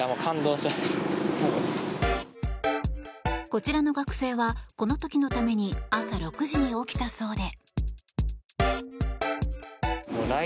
こちらの学生はこの時のために朝６時に起きたそうで。